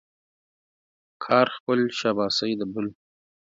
کار خپل ، شاباسي د بل.